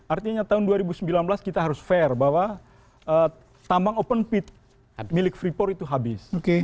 artinya tahun dua ribu sembilan belas kita harus fair bahwa tambang open pit milik freeport itu habis